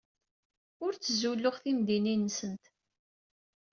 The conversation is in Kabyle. Ur ttzuluɣ timeddidin-nsent.